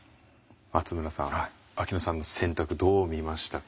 松村さん秋野さんの選択どう見ましたか？